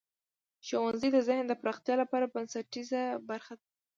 ښوونځی د ذهن د پراختیا لپاره بنسټیزه برخه ده.